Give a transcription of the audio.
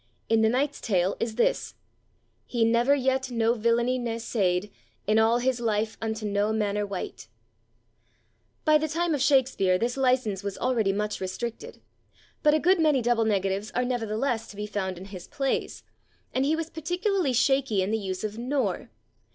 In "The Knight's Tale" is this: He /nevere/ yet /no/ vileynye /ne/ sayde In al his lyf unto /no/ maner wight. By the time of Shakespeare this license was already much restricted, but a good many double negatives are nevertheless to be found in his plays, and he was particularly shaky in the use of /nor